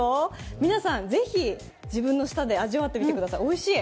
皆さん、ぜひ自分の舌で味わってみてください、おいしい。